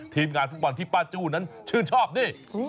ทีมงานฟุตบอลที่ป้าจู้นั้นชื่นชอบนี่